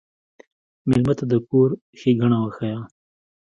مېلمه ته د کور ښيګڼه وښیه.